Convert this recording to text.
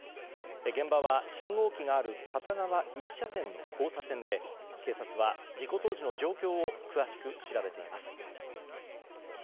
現場は信号機がある片側１車線の交差点で警察は、事故当時の状況を詳しく調べています。